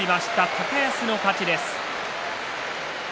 高安の勝ちです。